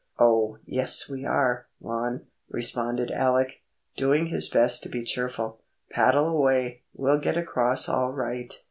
"Oh, yes we are, Lon," responded Alec, doing his best to be cheerful. "Paddle away; we'll get across all right."